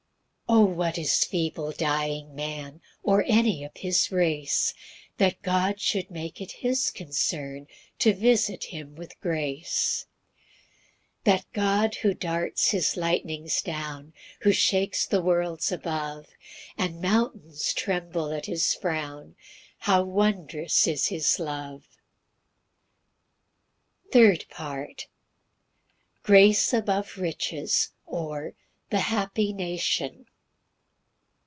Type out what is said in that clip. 2 O what is feeble dying man Or any of his race, That God should make it his concern To visit him with grace! 3 That God who darts his lightnings down, Who shakes the worlds above, And mountains tremble at his frown, How wondrous is his love. Psalm 144:3. 12 15. Third Part. Grace above riches; or, The happy nation.